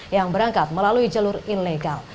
yang berangkat melalui jalur ilegal